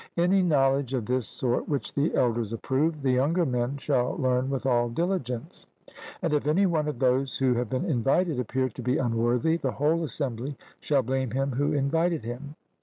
Any knowledge of this sort which the elders approve, the younger men shall learn with all diligence; and if any one of those who have been invited appear to be unworthy, the whole assembly shall blame him who invited him.